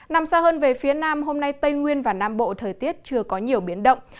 nằm xa hơn về phía nam hôm nay tây nguyên và nam bộ thời tiết chưa có nhiều biến động